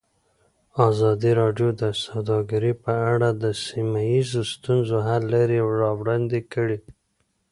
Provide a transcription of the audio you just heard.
ازادي راډیو د سوداګري په اړه د سیمه ییزو ستونزو حل لارې راوړاندې کړې.